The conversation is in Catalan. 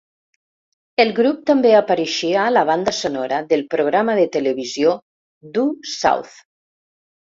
El grup també apareixia a la banda sonora del programa de televisió "Due South".